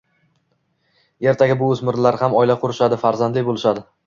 Ertaga bu oʻsmirlar ham oila qurishadi, farzandli boʻlishadi